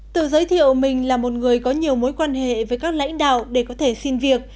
tự giới thiệu mình là một người có nhiều mối quan hệ với các lãnh đạo để có thể xin việc